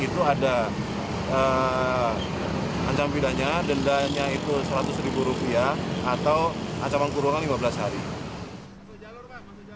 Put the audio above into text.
jadi ancam bidannya dendanya itu rp seratus atau acaman kurungan lima belas hari